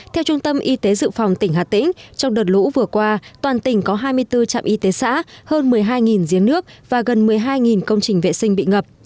theo trung tâm y tế dự phòng tỉnh hà tĩnh trong đợt lũ vừa qua toàn tỉnh có hai mươi bốn trạm y tế xã hơn một mươi hai giếng nước và gần một mươi hai công trình vệ sinh bị ngập